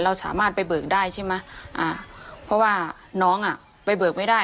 เราสามารถไปเบิกได้ใช่ไหมอ่าเพราะว่าน้องอ่ะไปเบิกไม่ได้